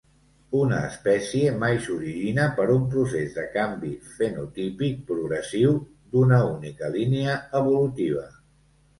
Una espècie mai s'origina per un procés de canvi fenotípic progressiu d'una única línia evolutiva.